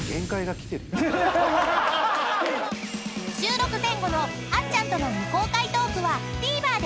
［収録前後のあっちゃんとの未公開トークはＴＶｅｒで配信。